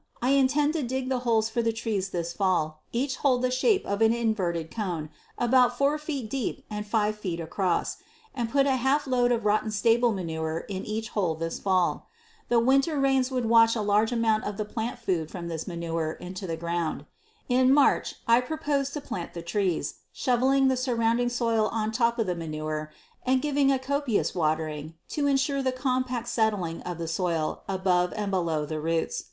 I intend to dig the holes for the trees this fall, each hole the shape of an inverted cone, about 4 feet deep and 5 feet across, and put a half load of rotten stable manure in each hole this fall. The winter's rains would wash a large amount of plant food from this manure into the ground. In March I propose to plant the trees, shoveling the surrounding soil on top of the manure and giving a copious watering to ensure the compact settling of the soil about and below the roots.